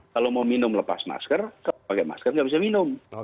kalau mau minum lepas masker pakai masker nggak bisa minum